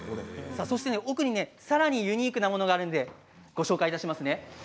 奥にさらにユニークなものがあるのでご紹介しますね。